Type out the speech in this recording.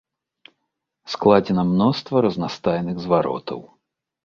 Складзена мноства разнастайных зваротаў.